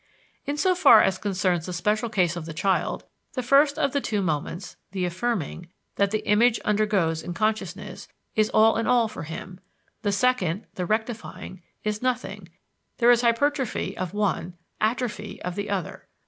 Insofar as concerns the special case of the child, the first of the two moments (the affirming) that the image undergoes in consciousness is all in all for him, the second (the rectifying) is nothing: there is hypertrophy of one, atrophy of the other.